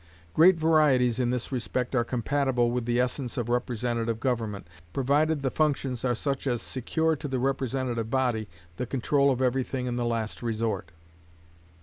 Great varieties in this respect are compatible with the essence of representative government, provided the functions are such as secure to the representative body the control of every thing in the last resort.